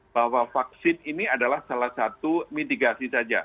bahwa vaksin ini adalah salah satu mitigasi saja